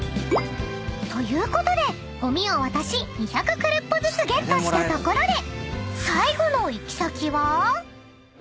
［ということでごみを渡し２００クルッポずつゲットしたところで］